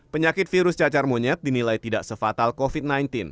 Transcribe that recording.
penyakit virus cacar monyet dinilai tidak se fatal covid sembilan belas